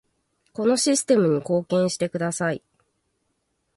このシステムに貢献してください